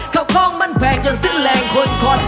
ข้าวของมันแพงจนซึ่งแหล่งคนคลอน